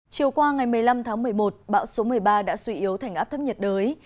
chiều qua ngày một mươi năm tháng một mươi một bão số một mươi ba đã suy yếu thành áp thấp nhiệt đới